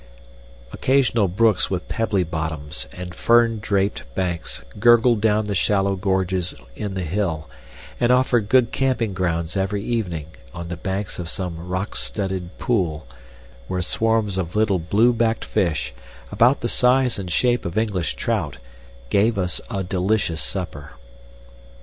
Occasional brooks with pebbly bottoms and fern draped banks gurgled down the shallow gorges in the hill, and offered good camping grounds every evening on the banks of some rock studded pool, where swarms of little blue backed fish, about the size and shape of English trout, gave us a delicious supper.